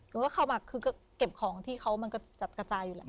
หนูก็เข้ามาคือก็เก็บของที่เขามันกระจัดกระจายอยู่แล้ว